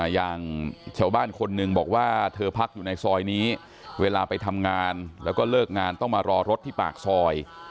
อย่างชาวบ้านคนหนึ่งบอกว่าเธอพักอยู่ในซอยนี้เวลาไปทำงานแล้วก็เลิกงานต้องมารอรถที่ปากซอย